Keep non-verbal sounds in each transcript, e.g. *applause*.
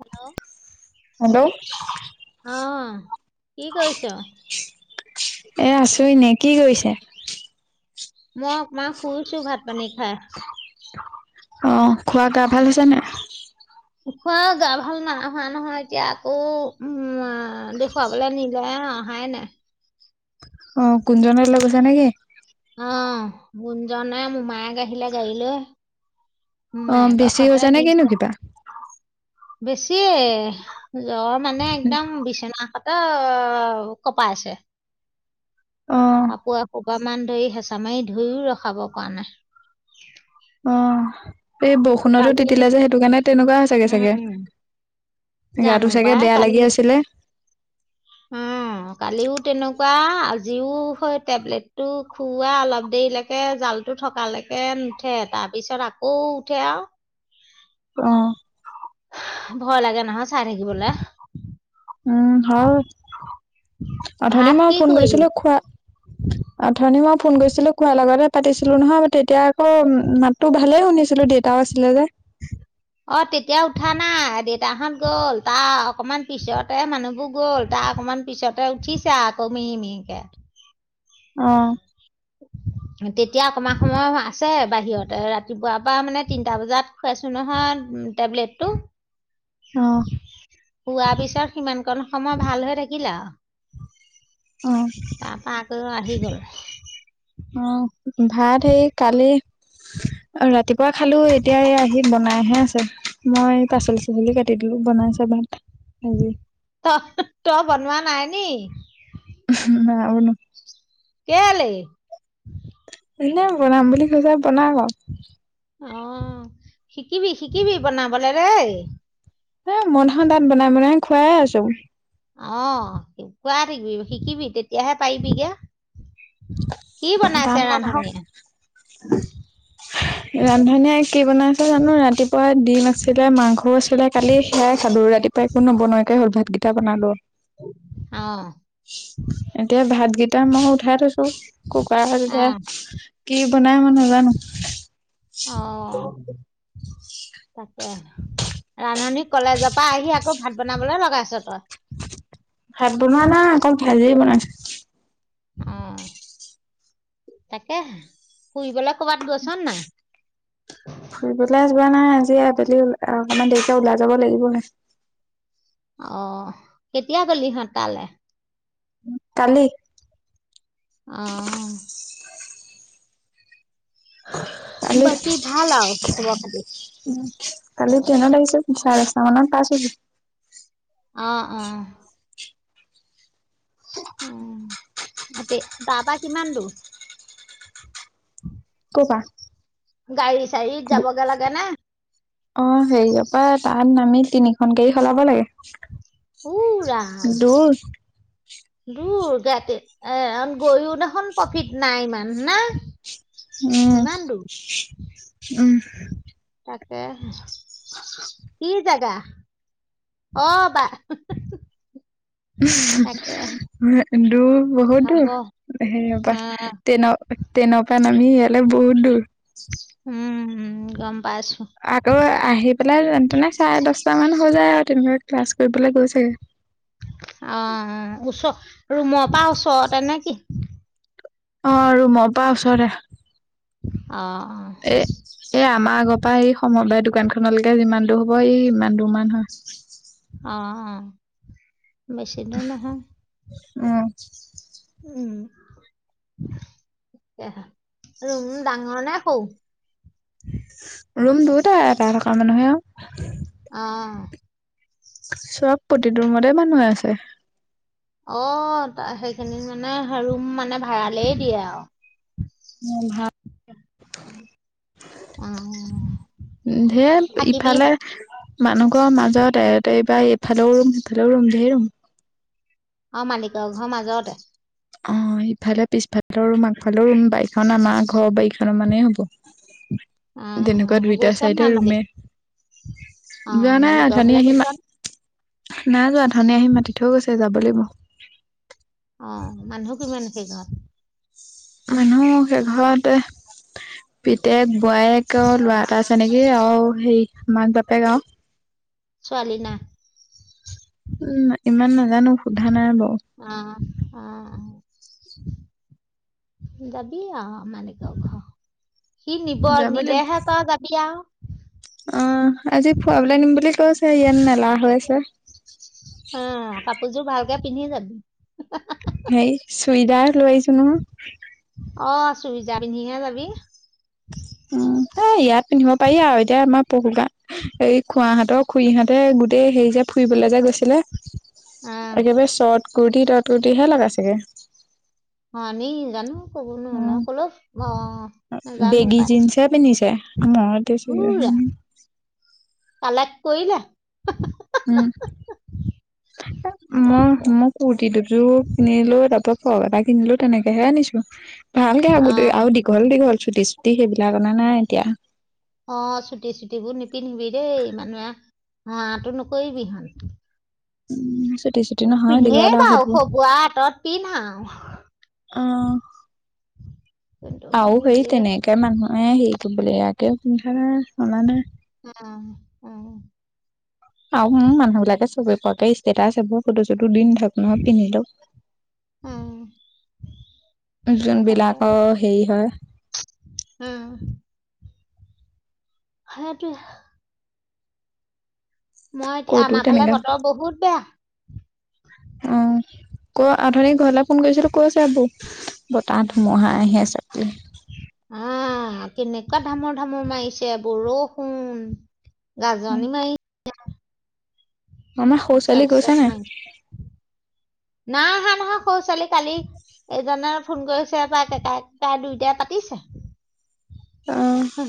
Hello hello আহ। কি কৈছ। এ আছোঁ এনে কি কৰিছে। মই অকমান শুইছো ভাত। পানী খায়। আহ খোৱা গা ভাল হৈছে নে। উখোৱা গা ভাল নাই হোৱা নহয় এতিয়া আকৌ উম, দেখুৱাবলৈ নিলে অহাই নাই। অ কুঞ্জনৰ লগৈছা নেকি? গুনজানেই মোৰ মিউমাইক আহিলা গাৰি লৈ। অ মায়েকৰ বেছি হৈ সতে হৈছো নে কিনো কিবা। বেছি। জ্বৰ মানে একদম বিচনা। ত, কপাই আছে। অ কাপোৰ এ সোব মান ধৰি হেঁচা মাৰি ধুইও ৰখাব পৰা নাই। অ, এই বৰষুণতো কালি তিতিলো যে সেইটো কাৰণে তেনেকুৱা চাগে চাগে, উম জানো গাটো চাগে বেয়া লাগি আছিলে। অ, কালিও তেনেকুৱা। আজিও হয় টেবলেটটো খুওৱা অলপ দেৰিলৈকে জালটো থকালৈকে নুঠে তাৰপিছত আকৌ উঠে আৰু। অহঁ। ভয় লাগে নহয় চাই থাকিবলৈ উম হয় অথনি ভাত মই কি ফোন কৰিলি? কৰিছিলো খোৱা অথনি মই ফোন কৰিছিলো খোৱাৰ লগতে পাতিছিলো নহয় তেতিয়া আকৌ মাততো ভালেই শুনিছিলো। ছিলো দেটাও আছিলে যে, অ তেতিয়া উঠা নাই দেউতা হত গ'ল তাৰ অকমান পিছতে মানুহবোৰ গ'ল তাৰ অকমান পিছতে উঠিছে আকৌ মিহি মিহিকে। অহ তেতিয়া অকণমান অকণমান আছে বাহিৰত ৰাতিপুৱাৰ পৰা মানে তিনটা বজাত খুৱাইছো নহয় টেবলেটটো। অ উ আি *unintelligible* পিছৰ সিমান কণ সময় ভাল হৈ থাকিলে আৰু অ তাৰপা। অ আহি গল অ ভাত সেই কালি আৰু ৰাত ৰাতিপুৱা খালো, এই এতিয়া এ আহি বনাই হে আছে। মই পাচলি-চাঁচলি কাটি দিলো, বনাই চে ভাত হেৰি ত তই বনোৱা নাই নি? হাঁ, নাই বনোৱা। কেলে? এনে বনাম বুলি কৈছে বনাব। অহ, শিকিবি শিকিবি বনাবলে দেই। এ *unintelligible* বনাই বনাই খোৱাই আছোঁ। অঁ, কুৱাত শিকিবি শিকিবি তেতিয়াহে পাৰিবিগে। কি *unintelligible* বনাইছে ৰান্ধনীয়ে ৰান্ধনীয়ে কি বনাইছে জানো ৰাতিপুৱা ডিম আছিলে, মাংস আছিলে, কালি সেয়াই খালে ৰাতি য়া একো নবনোৱাকে হ'ল, ভাতকেইটা বনালো। অ এতিয়া ভাতকে কাৰণ মই উঠাই থৈছো কোৱাৰ অ *unintelligible* কি বনাই মই নাজানো। অ গৰম আছে। তাকে, ৰান্ধনী কলেজৰ পৰা আহি আকৌ ভাত বনাবলে লগাইছ তই। ভাত বনোৱা নাই, অকল ভাজি বনাইছে। অহ, তাকে। ফুৰিবলৈ কৰ'বাত গৈছ নাই ফুৰিবলে যোৱা নাই আবেলি অ-অকণমান দেৰিকে ওলাই যাব লাগিব হে। অহ, কেতিয়া গলি হঁত তালে? কালি। অহ। কালি বাকী ভাল আও খবৰ-খাটি? কালি ট্ৰেইনত আহিছিল, চাৰে দচটা মানত পাছ *unintelligible* অ, অ। অ, তাতে তাৰপা কিমান দূৰ? *unintelligible* গাড়ী গাড়ীত যাবগে লাগে নে? অ হেৰিয়ৰ পৰা তাত নামি তিনিখন গাড়ী সলাব লাগে। ও ৰাম। দূৰ দূৰ গাতি এ গৈ *unintelligible* দেখোন প্ৰকিত নাই ইমান না উম, ইমান দূৰ উম। হ *unintelligible* কি জেগা? অ', বা কিন্তু তাকে *unintelligible* বহুত হ'ব দূৰ। সেয়াৰ পৰা, আহ ত্ৰেইনৰ-ত্ৰেইন ৰ পৰা। নামমি ইয়াল বহুত দূৰ উম *unintelligible* *inaudible* উম, গম পাইছো আকৌ আহি পেলাই, তে তেনে চাৰে দশটা মান হৈ যায়', আৰু তেনেকৈ ক্লাছ গৈ পেলাই, কৈছে। অ', ওচ ৰুমৰ পৰা, ওচৰতে নে কি? অ আৰু মই *unintelligible* তাৰ ওচৰে। অ অ এ, এ আমাৰ আগৰ পৰা এই সময় বাই, দোকানখনলৈকে যিমান দূৰ হব, ই ইমান দূৰ মান হয়। অ। উ *unintelligible* বেছিদূৰ নহয়। উম। উম ৰুম ডাঙৰ নে সৰু? ৰুম দুটা, এটা থকা মানুহে, আৰু অহ', চব প্ৰতিটোৰ মতে মানুহে আছে। এহ অ সেইখিনিত মানে ৰুম মানে ভাড়ালেই দিয়ে আও, উ ভাল। অ ধেৎ থাকিবি ইফালে মানুহ ঘৰৰ মাজত এইবাৰ এইফালেও ৰুম সেইফালেও ৰুম ধাই ৰুম অ মালিকৰ ঘৰৰ মাজতে অ ইফালে পিছফালেৰ ৰুম আগফালৰ ৰুম বাৰিখন আমাৰ ঘৰৰ বাৰখনৰ মানে হ'ব। অ তেনেকুৱা অ দুইটা গৈছা চাইডে নাই মালিক ৰুমে অ যোৱা নাই মালিক অথনি ঘৰলে আহি গৈছা নাই নাই যোৱা ধনী আহি মাতি থৈ গৈছে যাব লাগিব। অ মানুহ কিমান সেই ঘৰ মানুহ সেইঘৰতে পিতেক বোৱায়েকৰ ল'ৰা এটা তেনেকে আৰু সেই মাক বাপেক আও ছোৱালী না উম ইমান নাজানো সোধা নাই বাওঁ অ অ যাবি আও মালিকৰ ঘৰ সি নিব যাব লাগিব। নিলেহে তই যাবি আও সেইয়াত মেলা হৈ আছে। অ কাপোৰযোৰ ভালকে পিন্ধি যাবি চুইজাৰ লৈ আহিছোঁ নহয় অহ চুইযাৰ পিন্ধিহে যাবি উম এ ইয়াত পিন্ধিব পাৰি আৰু এতিয়া আমাৰ পহু গান এই খুৱাহাত তই খুৰীহঁতে গোটেই হেৰি যে ফুৰিবলে যে গৈছিলে। অ একেবাৰে চট কুৰ্তি তট কুুৰ্তিহে লগাই চেগে আমি জানো কব নো কলৈ অ অ বেগী জিন্সহে পিন্ধিছে মই টো চুৰিজাৰ উৰা পিন্ধিম কালেক্ট কৰিলা উম তাকে মই মই কুুৰ্তি দুযোৰ কিনিলোঁ তাৰপা ফ্ৰক এটা কিনিলো তেনেকেহে আনিছো ভাল ঘা অ আও দীঘল দীঘল চুটি চুটি সেইবিলাক অনা নাই এতিয়া অ ছুটি ছুটিবোৰ নিপিন্ধিবি দেই মানুহে অ আঁটো নকৰিবি হন উম *unintelligible* দীঘল পিন্ধেই আৰু বাৰু সেইটো। খগুৱা হাতত পিন্ধ আৰু কিন্তু তাও কেৰী সেই নিজে তেনেকে মানুহে সেই তুবলে আকে পিন্ধা চলা নাই অহ অহ তাহুন মানুহ বিলাকে চবে পোৱাকৈ ষ্টেটাচ এইবোৰ সুধোছো দুদিন ধাক নহয় পিন্ধিলো। উম, তাকেতো যোনবিলাকৰ হেৰি হয়। উম, সেইটোৱেই মই এতিয়া ক'তো আমাৰ ফালে তেনেকা বতৰ বহুত বেয়া অ ক উঠুনি ঘৰলে ফোন কৰিছিলো কৈছে বৌ বতাহ ধুমুহা আহি আছে বুলি। আহ কেনেকুৱা ধামৰ ধামৰ মাৰিছে বৰষুণ। গাজনি মাৰিছে। মামা সৰু ছোৱালী চেপ গৈছে মাৰিছে নাই? নাই আহা নহয় সৰু ছোৱালী কালি। এজনে ফোন কৰিছে পাই কেকাই কেকাই দুইটাই পাতিছে। অ উম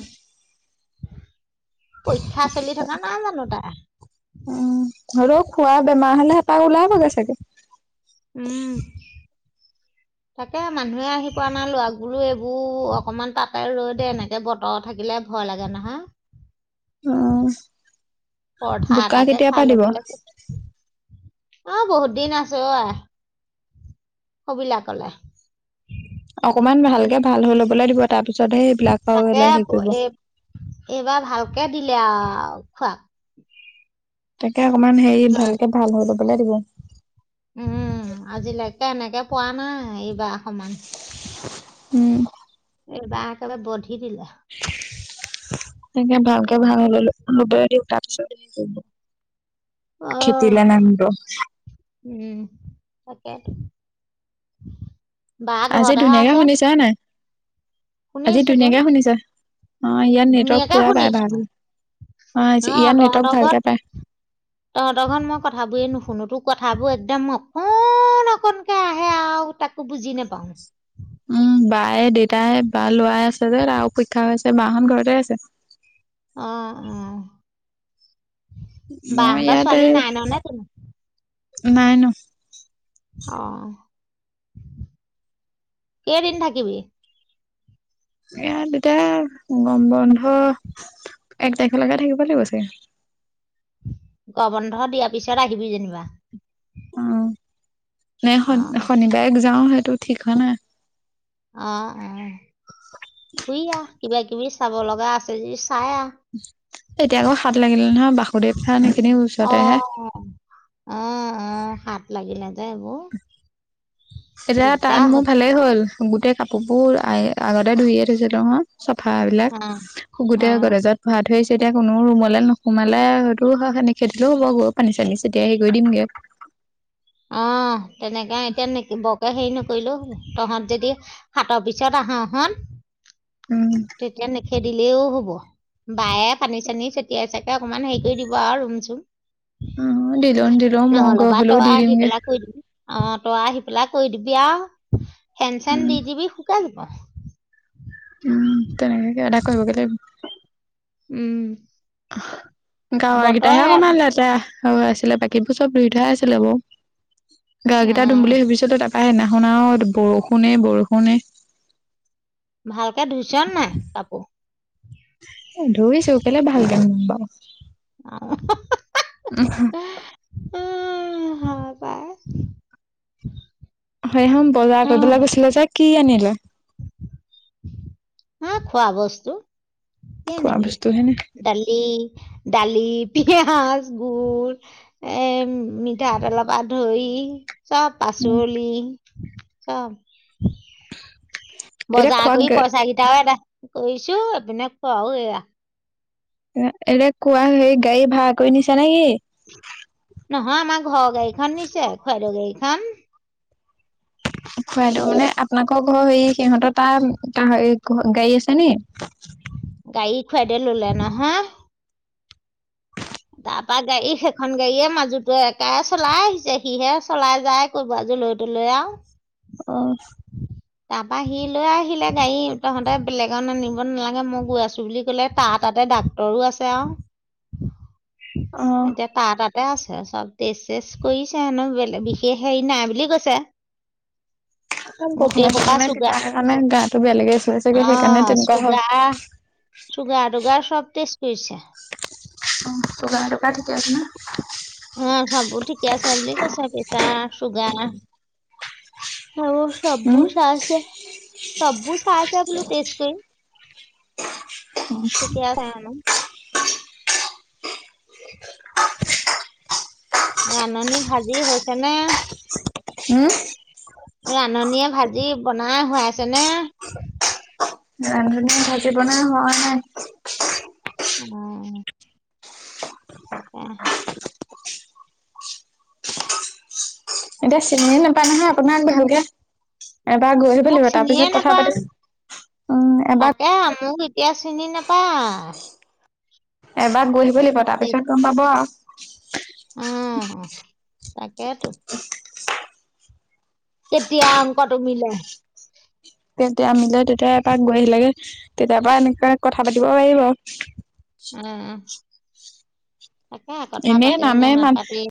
পৰীক্ষা চলি থকা নাই জানো তাৰ! ধৰ খোৱা বেমাৰ হলে হেঁপাহ ওলাবগৈ চাগে। উম তাকে মানুহে আহি পোৱা নাই লৰাকবোৰো এইবোৰ অকমান তাতে ৰৈ দে এনেকে বতৰ থাকিলে ভয় লাগে নহয়। আ পৰঠা এটাকে খাই ল'বলৈ কোৱা। অ বহুত দিন আছে অ আই সবিলা কলে অকমান ভালকে উম ভাল হৈ লবলৈ দিব। তাৰ পিছতহে সেইবিলাক তাকে আৰু হেৰি কৰিব এই এইবাৰ ভালকে। দিলে আৰু খোৱা য়ে অকনমান হেৰি ভালকে ভাল হ'ব *unintelligible* উম আজি লাগি এ এনেকে পোৱা নাই বাহমান উম এবা একেবাই ব তাকে ভাল। ভাঙি ললো দি উঠাৰ পিছত *unintelligible* অহ খেতিলে নামিব। উম তাকে। বা আজি ধুনীয়াকে শুনিছা হয় নাই? আজি শুনিছো তোন, ধুনীয়াকে শুনিছা? অ', ইয়াত নেটৱৰ্ক ধুনীয়াকে পুৰা পাই শুনিছো, ভাল। আজি অ ইয়াত নেটৱৰ্ক তহঁতৰ ঘৰত ভালকে পায়। তহঁতৰ ঘৰত মই কথাবোৰ নুশুনোতো। কথাবোৰ একদম অকণ অকণকে আহে আৰু তাকো বুজি নাপাওঁ। এ দেউতাই বা লৰাই আছে যে তাৰ অ পৰীক্ষা আছে বাহত ঘৰতে আছে। আহ উম। মই ইয়াতে, কিনো নাই ন? অহ। কেইদিন থাকিবি? ইয়াত এতিয়া গৰম বন্ধ, এক তাৰিখলৈকে থাকিব লাগিব চাগে। গৰম বন্ধ দিয়াৰ পিছত আহিবি যেনিবা। নাই অ', শনিবাৰে যাওঁ সেইটো ঠিক হয় নাই। অ অ, শুই আহ, কিবা কিবি চাব লগা আছে যদি চাই আহ এতিয়া আকৌ হাত লাগিলে নহয় বাসুদেৱ থান এইখিনি ওচৰতেহে অ', অ', অ', হাত লাগিলে যে এইবোৰ এতিয়া তাত দিগদাৰ মোৰ হয় ভালেই হ'ল। গোটেই কাপোৰবোৰ আগতে ধুইয়ে থৈছিলো নহয়। চফা বিলাক অ', শুগোটেই অ', গৰদেজত ভৰাই থৈছে এতিয়া কোনো ৰুমলৈ নোসোমালে হয়তো খে দিলও হ'ব গৈ পানী চানী চটিয়াই হেৰি কৰি দিমগে। অ। তেনেকৈ এতিয়া নিকে বৰকে হেৰি ন কৰিলোঁ হ'ব তহঁত যদি হাতৰ পিছত আহা হন উম তেতিয়া নিখ খেদিলেও হব, বায়ে পানী চানি চটিয়াই চাকে অকণমান হেৰি কৰি দিব আৰু ৰুম চুম উম দিলো দিলো মগ নহ'লেবা হলেও তই দি আহি দিমগে। পেলাই কৰি দিবি। অ তই আহি পেলাই কৰি দিবি আও। ফেন চেন উম দি দিবি। শুকাই যাব। উম তেনেকেকে এটা কৰিব লাগিব। উম। *unintelligible* গাঁৱৰ বতৰ গিটাহে অ' অকমান লেতেয়া। অ আছিলে বাকীবোৰ চব ধুই থোৱাই আছিলে বাও। গা কেইটা ধুম বুলি ভাবিছ তই তাত। পায় নাশুন আও বৰষুণে বৰষুণে। ভালকে ধুইচ নাই কাপোৰ। এ ধুইচো কেলে ভালকে নুধুম বাও। *unintelligible* উ হা পাই। হয় হম বজাৰ কৰিবলৈ গৈছিলে যে কি আনিল। আঁহ। হা খোৱা বস্তু। কি খোৱা আনিবি বস্তু হেনে দালি দালি। পিয়াজ, গুৰ, এ মিঠাতেলৰ পৰা ধৰি। চব উম পাচলি। অ। এতিয়া বজাৰ খোৱা কৰি পইচা কিটাৰয়ে এটা। কৈছো আপোনাক কোৱাও এয়া। এলে কোৱা হেৰি গাড়ী ভাড়া কৰি নিছা নে কি। নহয় আমাৰ ঘৰৰ গাড়ীখন নিছে খুৰাদেও গাড়ীখন। খুৱাই দিওঁ মানে আপোনালোকৰ ঘৰৰ হেৰি সিহঁতৰ তাৰে গাড়ী আছে নি। গাড়ীত। খুৱাদেউৱে ললে নহয়। তাৰপা গাড়ী সেইখন গাড়ীৱে মাজুটো কাইয়ে চলাই আহিছে সিহে চলাই যায় কৰবালৈ লৈ জলৈ তলৈ যায় আউ। অহ। তাৰপা সি লৈ আহিলে গাড়ী তহঁতে বেলেগত নিঅব নালাগে মই গৈ আছো বুলি কলে তাৰ তাতে ডাক্তৰো আছে আউ। অ', এতিয়া তাৰ তাতে আছে আছে। চব টেষ্ট চেজ কৰিছে হেনো বেলেগ বিশেষ হেৰি নাই বুলি কৈছে। এ গোটেই বৰষুণে সোপা চৰষুণে চুগাৰ তিতা সেই কাৰণে গাটো বেয়া লাগি আছে অ চাগে সেইকাৰণে তেনেকুৱা চুগাৰ চুগাৰ হয়। টুগাৰ চব টেষ্ট কৰিছে অ চুগাৰ টোগাৰ ঠিকে আছে না। অ চববোৰ ঠিকে আছে বুলি কৈছে প্ৰেছাৰ আৰু সববো উম, চাই আছে সৱবো চাই আছে বোলো তেষ্ট কৰি। কেতিয়া টাইমত। ৰান্ধনী ভাজি হৈছে নে। হম। ৰান্ধনীয়ে ভাজি বনাই খুৱাইছেনে। ৰান্ধনী ভাজিবনাই হোৱাই নাই নে। উম হব। এতিয়া চিনি নাপায় নহয় আপোনাক ভালকে এবাৰ গৈ আহিব মোক লাগিব তাৰ চিনিয়ে পিছত কথা নাপায় পাতিছো উম এবাৰ তাকে মোক এতিয়া চিনি নাপায় এবাৰ বহিব লাগিব তাৰ দেই পিছত গম পাব অ তাকেইেতো কেতিয়া অংকটো মিলে তেতিয়া আমিলে তেতিয়া এপ গৈ আহিলেগে তেতিয়াৰ পৰা এনেকে কথা পাতিব পাৰিব। উম। তাকে কথা এনেই পাতেই নে নামে মা নাপাতেই!